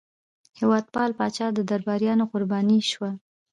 هېوادپال پاچا د درباریانو قرباني شو.